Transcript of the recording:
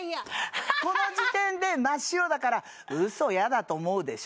この時点で真っ白だから「ウソ嫌だ」と思うでしょ？